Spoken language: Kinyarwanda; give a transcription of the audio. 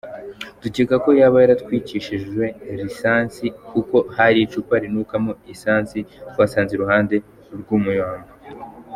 Dukeka ko yaba yaratwikishijwe lisansi kuko hari icupa rinukamo lisansi twasanze iruhande rw’umurambo.